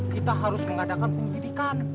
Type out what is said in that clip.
kita harus mengadakan pembidikan